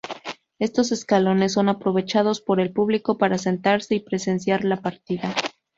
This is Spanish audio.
Estos escalones son aprovechados por el público para sentarse y presenciar la partida.